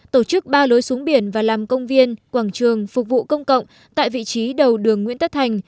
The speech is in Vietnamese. tổ chức ba lối xuống biển và làm công viên quảng trường phục vụ công cộng tại vị trí đầu đường nguyễn tất thành